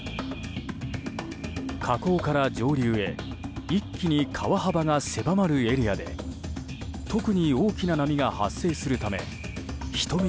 河口から上流へ一気に川幅が狭まるエリアで特に大きな波が発生するため一目